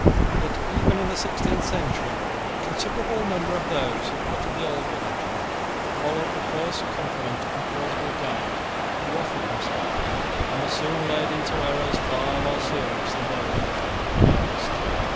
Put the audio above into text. Yet even in the sixteenth century a considerable number of those who quitted the old religion followed the first confident and plausible guide who offered himself, and were soon led into errors far more serious than those which they had renounced.